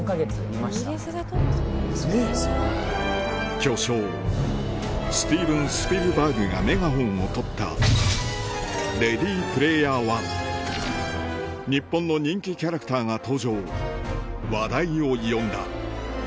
巨匠スティーブン・スピルバーグがメガホンをとった『レディ・プレイヤー１』日本の人気キャラクターが登場話題を呼んだ